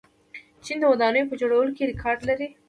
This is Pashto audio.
چین د ودانیو په جوړولو کې ریکارډ لري.